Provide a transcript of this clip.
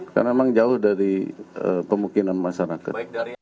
karena memang jauh dari pemungkinan masyarakat